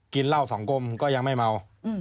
กินเหล้าสองกลมก็ยังไม่เมา